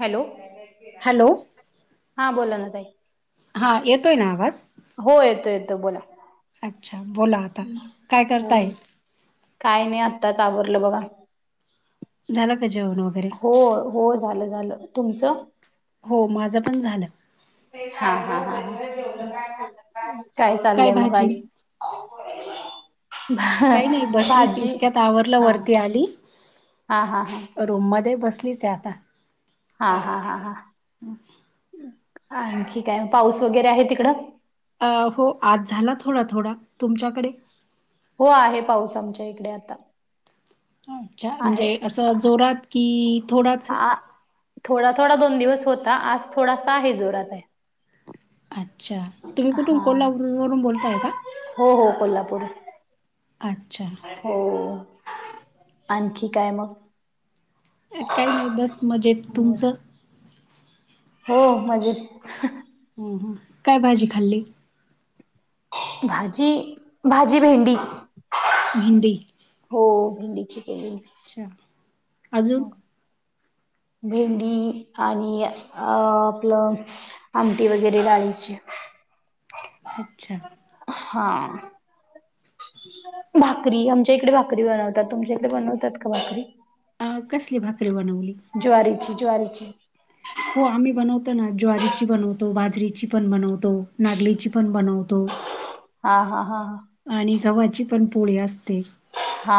Hello hello, हा बोला ना ताई हा येतोय ना आवाज हो येतो येतो बोला अच्छा बोला आता काय हो करताय काय नाय आत्ताच आवरलं बघा झालं का जेवण व हो होय झालं झालं तुमचं हो माझं पण झालं. हा हा हा हा काय चाललंय मग आणि अवघड ये भा काही नाही बसलीच भाजी इतक्यात आवरलं हा वरती हा हा हा रूम मध्ये बसलीच ये आता हा हा हा हा आणखी काय पाऊस वगैरे आहे तिकडं अ हो आज झाला थोडा थोडा तुमच्याकडे हो आहे पाऊस आमच्या इकडे आता अच्छा आहे म्हणजे असं जोरात की थोडाच ये. हा थोडा थोडा दोन दिवस होता आज थोडासा आहे जोरात आहे. अच्छा तुम्ही कुठून हा कोल्हापूरूवरून बोलताय का? हो हो कोल्हापूर अच्छा हो आणखी काय मग काही नाही बस मजेत बोला तुमचं हो मजेत हम्म हम्म काय भाजी खाल्ली भाजी भाजी भेंडी भेंडी हो भेंडीची केलेली. अच्छा अजून भेंडी आणि अ आपलं आमटी वगैरे डाळीची अच्छा हा भाकरी आमच्या इकडे भाकरी बनवतात तुमच्याइकडे बनवतात का भाकरी अ कसली भाकरी बनवली. ज्वारीची ज्वारीची हो आम्ही बनवतो ना ज्वारीची बनवतो बाजरीची पण बनवतो नागलीची पण बनवतो. [unintelligible] हा हा हा हा आणि गव्हाची पण पोळी असते. हा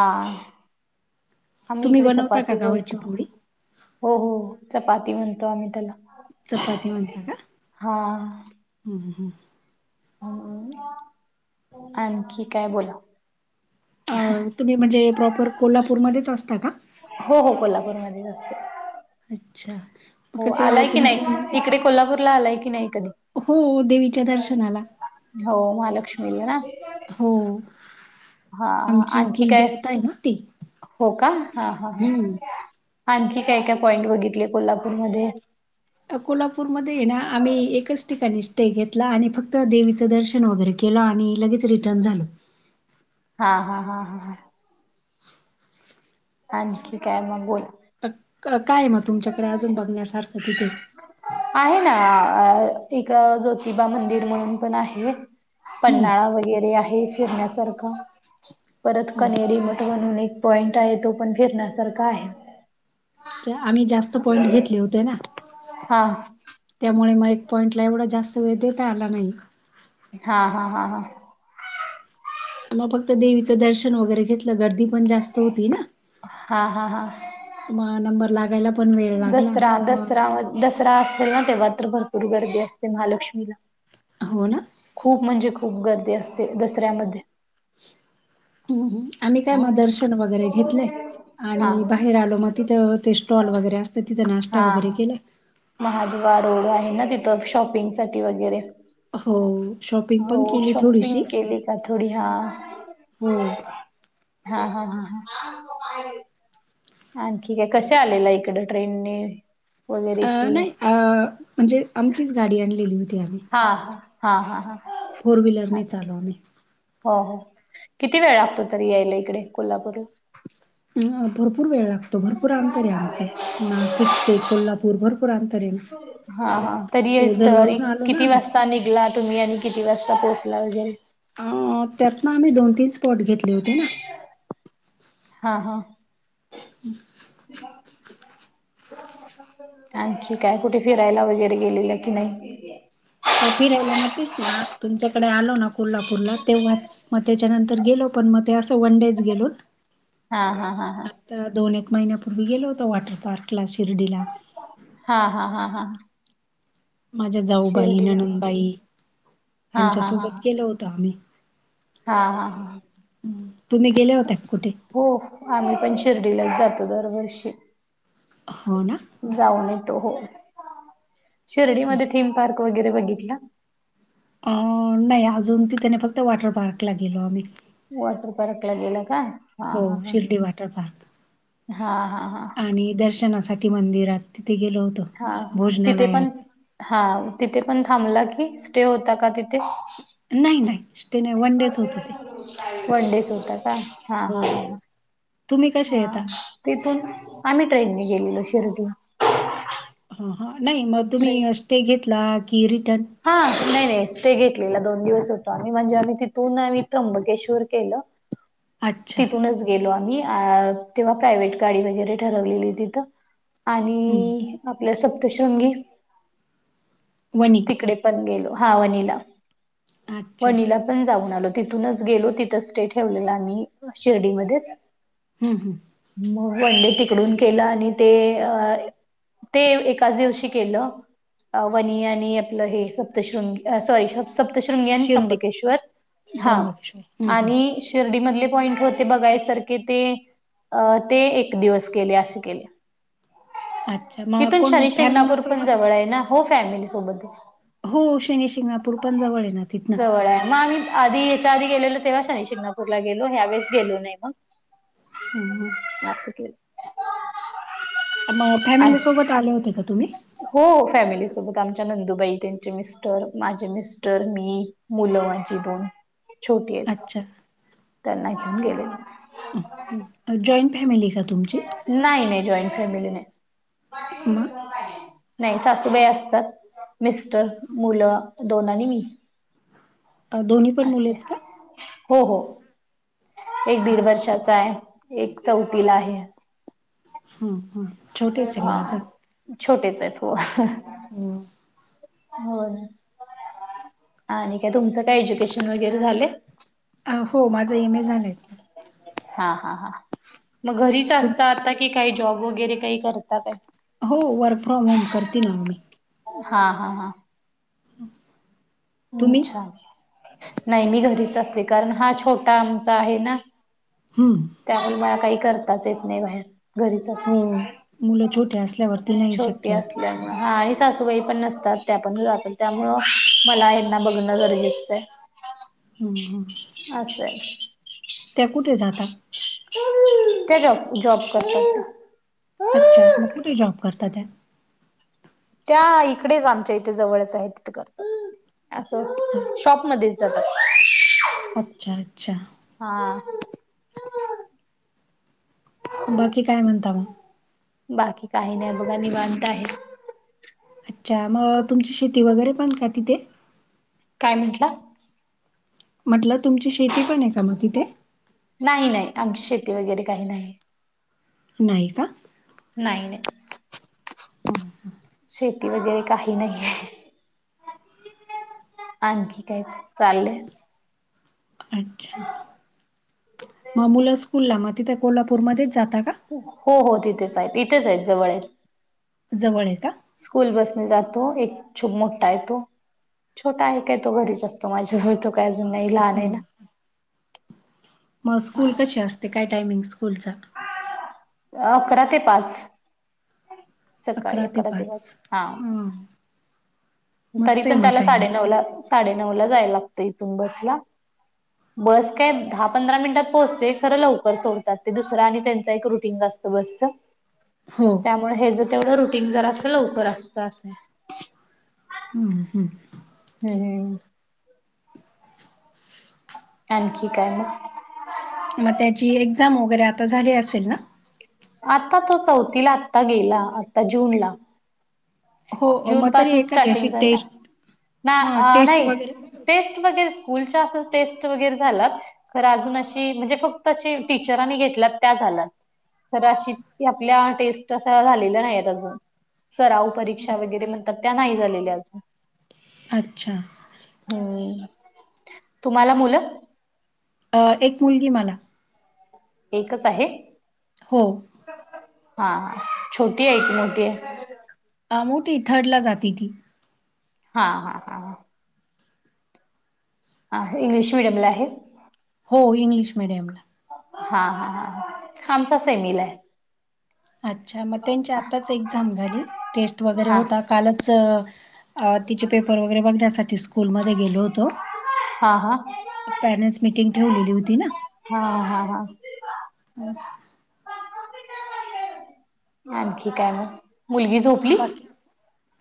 आम्ही तुम्ही इकडे बनवता का चपाती गव्हाची बोलतो. पोळी? हो हो चपाती म्हणतो आम्ही त्याला चपाती म्हणता का हा हम्म हम्म आणखी काय बोला अ तुम्ही म्हणजे प्रॉपर कोल्हापूरमध्येच असता का? हो हो कोल्हापूरमध्ये असते अच्छा. मग हो कसं आलाय की तुमची नाही इकडे कोल्हापूरला आलाय की नाही कधी. हो देवीच्या दर्शनाला हो महालक्ष्मीला ना हो. हा आमची आणखी काय कुलदेवता आहे ना ती. हो का हा हा हा. हम्म. आणखी काय काय पॉईंट बघितले कोल्हापूरमध्ये. कोल्हापूरमध्ये आहे ना आम्ही एकच ठिकाणी स्टे घेतला आणि फक्त देवीचं दर्शन वगैरे केलं आणि लगेच रिटर्न झालो. हा हा हा हा हा. आणखी काय मग बोल अ काय मग तुमच्याकडे अजून बघण्यासारखं तिथे. आहेना इकड ज्योतिबा मंदिर म्हणून पण आहे. हं, पन्हाळा वगैरे आहे फिरण्यासारखा परत हं. कनेरी मठ म्हणून एक पॉइंट आहे तो पण फिरण्यासारखा आहे. ज्या आम्ही जास्त पॉईंट घेतले होते ना. हा. त्यामुळे मग एक पॉईंटला एवढा जास्त वेळ देता आला नाही. हा हा हा हा. मग फक्त देवीचं दर्शन वगैरे घेतलं गर्दी पण जास्त होती ना. हा हा हा. म नंबर लागायला पण वेळ लागला. दसरा मग दसरा दसरा असेल ना तेव्हा रात्रभर भरपूर गर्दी असते महालक्ष्मीला. हो ना. खूप म्हणजे खूप गर्दी असते दसऱ्यामध्ये. हम्म हम्म आम्ही काय मग दर्शन वगैरे घेतले आणि हा बा हेर आलो मग तिथं ते स्टॉल वगैरे असतं तिथं नाश्ता वगैरे केले. महादवा रोड आहे ना तिथं शॉपिंग साठी वगैरे हो शॉपिंग हो पण केली शॉपिंग थोडीशी केली का थोडी हा. हो. हा हा हा हा. [unintelligible] आणखी काय कशे आलेला इकडं ट्रेनने अ वगैरे कि? नाही अ म्हणजे आमचीच गाडी आणलेली होती आम्ही. हा हा हा हा फोर हा. व्हीलरनेच [unintelligible] आलो आम्ही. हो हो किती वेळ लागतो तरी यायला इकडे कोल्हापूरला. अ भरपूर वेळ लागतो भरपूर अंतर आहे आमचं नाशिक ते कोल्हापूर भरपूर अंतर आहे ना. हा हा तरी एक ओझर तर वरून आलो ना किती आम्ही. वाजता निघलात तुम्ही आणि किती वाजता पोहोचला वैगेरे. अ त्यातन आम्ही दोन तीन स्पॉट घेतले होते ना हा हा. [inaudible] आणखी काय कुठे फिरायला वगैरे गेलेलं की नाही. हा फिरायला मतीस ना तुमच्याकडे आलो ना कोल्हापूरला तेव्हाच मग त्याच्यानंतर गेलो पण मग ते असं वन डेच गेलोत. हा हा हा हा. तर दोन एक महिन्यापूर्वी गेलो होतो वॉटर पार्कला शिर्डीला. हा हा हा हा. माझ्या जाऊबाई शिर्डीला ननंदबाई हा हा हा यांच्यासोबत हा गेल होत आम्ही. हा हा हा. तुम्ही गेल्या होत्या का कुठे? हो आम्ही पण शिर्डीलाच जातो दरवर्षी. हो ना. जाऊन येतो हो शिर्डी मध्ये थीम पार्क वगैरे बघितला. अ नाही अजून तिथे नाही. फक्त वॉटर पार्क ला गेलो आम्ही. वॉटर पार्कला गेलं का. हा हो हा हा शिर्डी वॉटर पार्क. हा हा हा आणि दर्शन साठी मंदिरात तिथे गेलो होतो. हा तिथे पण भोजनालयात हा तिथे पण थांबला की स्टे होता का तिथे. नाही नाही. नाही वन डेच होतं ते वन डेच होता काय हा हो हा तुम्ही कसे हा येता तिथून आम्ही ट्रेनने गेलेलो शिर्डी हा नाही मग ट्रेन तुम्ही स्टे घेतला की रिटर्न. हा नाही नाही स्टे ते घेतलेला दोन दिवस होतो आम्ही. म्हणजे आम्ही तिथून आम्ही त्र्यंबकेश्वर केलं. अच्छा. तिथूनच गेलो आम्ही. अ तेव्हा प्रायव्हेट गाडी वगैरे ठरवलेली होती तर. हं. आणि आपलं सप्तशृंगी वणी इकडे पण गेलो. हा वनिला अच्छा. वनिला. पण जाऊन आलो तिथूनच गेलो. तिथेच स्टे ठेवलेला आम्ही शिर्डीमध्येच. हम्म हम्म मग वनडे तिकडून केल. आणि ते अ ते एकाच दिवशी केल. वनी आणि आणि आपलं हे सप्तशृंगी अ सॉरी श सप्तश्रृंगी आणि शिर्डी, त्र्यंबकेश्वर हा त्र्यंबकेश्वर. हं, हं. आणि शिर्डी मधले पॉईंट होते बघायसारखे. ते अ ते एक दिवस केले. असे केले. अच्छा. मग तिथून कोण शनी शिंगणापूर पण फॅमिलीसोबत? जवळ आहे ना. हो फॅमिली सोबतच. हो शनी शिंगणापूर पण जवळ आहे ना तिथन. [unintelligible] आधी याच्या आधी गेलेलो तेव्हाच शिंगणापूरला गेलो. ह्यावेेळेस गेलो नाही मग. हुं हुं [unintelligible] मग फॅमिली आणि सोबत आले होते का तुम्ही. हो फॅमिलीसोबत. आमच्या नंदुबाई त्यांचे मिस्टर माझे मिस्टर मी. मुलं माझी दोन छोटी आहेत. अच्छा. त्यांना घेऊन गेलेलो. जॉईंट फॅमिली का? तुमची? नाही नाही जॉईंट फॅमिली नाही. मग नाही सासूबाई असतात. मिस्टर, मुल दोन आणि मी. अ, दोन्ही पण मुलेच का? अच्छा हो हो. एक दीड अच्छा. वर्षाचा आहे. एक चौथीला आहे. हम्म हम्म हा छोटेच आहेत. हो. होय आणि काय तुमचं काय एज्युकेशन वगैरे झाले. हो माझ एम. ए. झालय. हा हा हा मग घरीच तुम असता आता की, काही जॉब वगैरे काही करता काय. हो वर्क फ्रॉम होम करते ना हो मी. हा हा हा [inaudible] हम्म छान. नाही मी घरीच असते. कारण हा छोटा आमचा आहे ना. हम्म त्यामुळे मला काही करताच येत नाही बाहेर. घरीच हो असते मुल छोटी असल्यावरती नाही छोटी शक्य होत. असल्यामुळे हा आणि सासूबाई पण नसतात त्या पण जातील त्यामु मला. ना बघण गरजेचं. ह ह. असं. त्याकू ते जाता. त्या जॉब जॉब करतो. अच्छा मग कुठे जॉब करतात त्या. त्या इकडेच आमच्या इथे जवळच आहे तिथं करत. अ असं शॉपमध्येध्येच जातात. अच्छा अच्छा. हा. बाकी काय म्हणता मग. बाकी काही नाही बघा नि माणता आहे. अच्छा मग तुमची शेती वगैरे पण का तिथे. काय म्हंटलं. म्हटलं तुमची शेती पण आहे का मग तिथे. नाही नाही आमची शेती वगैरे काही नाही. नायका. नाहीई नाही. ह ह शेती वगैरे काही नाहीे आणखी काय चाललंय अच्छा म मुलं स्कूलला म तिथं कोल्हापूर मध्येच जाता का हो हो तिथेच आहेत इथेच आहेत जवळ आहेत जवळ आहे का स्कूल बसने जातो एक छूप मोठ्टा येतो छोटा आहे काय तो घरीच असतो माझ्याजळ तो काही अजून नाही लहान आहे हं. ना मग स्कूल कशी हा असते काय टायमिंग स्कूलचा अकरा ते पाच सकाळी ते अकरा पाच दिवच हा ह तरी मस्त आहे पण मग त्याला टाइम साडेनऊ ला त्यांचा साडे नऊ ला जाय लागत इथून बसला बस काय दहा पंधरा मिनिटात पोहोचते खरं लवकर सोडतात ते दुसरा आणि त्यांचा एक रुटीनत. स बसत. हो. हे जर तेवढं रुटीन जर अस लवकर असतं असे हम् हम् हम् हम आणखी काय मग मग त्याची एक्झाम वगैरे आता झाली असेल ना आता तो चौथीला आत्ता गेला आता जून ला हो जून मग तरी पासून एखादी अशी स्टार्टिंग झालला टेस्ट हा टेस्ट नाही वगैरे टेस्ट वगैरे स्कूलच्या असं टेस्ट वगैरे झालं खरं अजून अशी म्हणजे फक्त अशी टीचरांनी घेतल्या त्या झाल्या तर अ आपल्या टेस्ट झाले नाही अजून सराऊ परीक्ष वरे म्हणतात त्या नाही झालेल्या अजून अच्छा हम्म तुम्हाला मुलं अ एक मुलगी मला एकच आहे हो हा... छोटी ए की मोठी ए हा... मोठीए. थर्डला जाती ती हा... हा... हा.. ह आहे... इंग्लिश मिडियमला आहे? हो... इंग्लिश मेडियमला हा हा हा... आमचा सेमीला ए अच्छा... मग त्यांची आताच एक्झाम झाली? टेस्ट वगैरे हा होता... कालच अ... तिचे पेपर वगैरे... बघण्यासाठी स्कूलमध्ये गेलो होतो हा हा पॅरेंट्स मीटिंग ठेवलेली होती ना हाहा... हाहा ना आणखी काय मग? मुलगी झोप बाकी...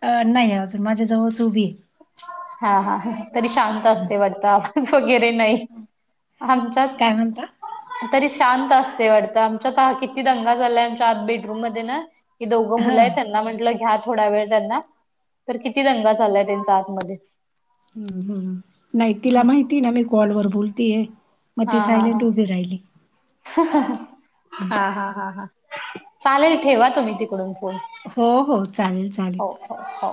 अ... नाही अजून... माझ्या जवळच उभी ए हा... हा.. तरी शांत असते वाटतं... आवाज वगैरे नाई आमच्यात काय म्हणता? तरी शांत असते वाटतं.. आमच्यात पाहा... किती दंगा चाललाय... आमच्या आत बेडरूम मध्ये ना ती दोघं हा मुलं आहेत, त्यांना म्हंटलं घ्या थोडा वेळ त्यांना... तर किती दंगा चाललाय... त्यांचा आतमध्ये हुं... हुं.. नई... तिला माहितीये ना... मी कॉल वर बोलतीये मग हा ती हा हा... सायलेंट उभी राहिली. हं हं... हाहा.. हाहा चालेल... ठेवा तुम्ही तिकडून फोन हो हो... चालेल, चालेल हो हो हो